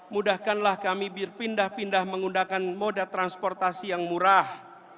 mudahkanlah kami berpindah pindah menggunakan moda transportasi yang murah